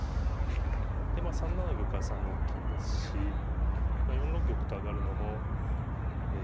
でまあ３七玉は３六金ですし４六玉と上がるのもええ。